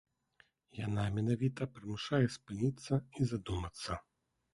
Яна менавіта прымушае спыніцца і задумацца.